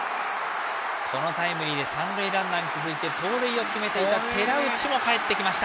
このタイムリーで三塁ランナーに続いて盗塁を決めていた寺内もかえってきました。